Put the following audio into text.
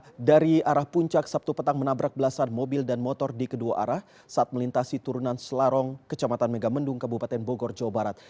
kendaraan dari arah puncak sabtu petang menabrak belasan mobil dan motor di kedua arah saat melintasi turunan selarong kecamatan megamendung kabupaten bogor jawa barat